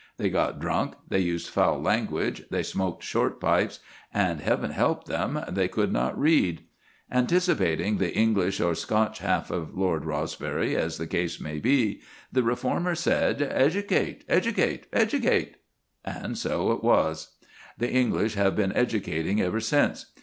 They got drunk, they used foul language, they smoked short pipes, and, Heaven help them! they could not read. Anticipating the English or Scotch half of Lord Rosebery, as the case may be, the reformer said, "Educate, educate, educate!" And it was so. The English have been educating ever since.